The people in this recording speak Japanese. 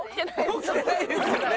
起きてないですよね。